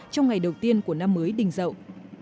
trong ngày đầu tiên của năm mới đình dậu